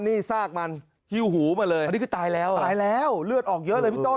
นี่ซากมันฮิวหูมาเลย